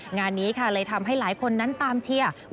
งานนี้ค่ะเลยทำให้หลายคนนั้นตามเชียร์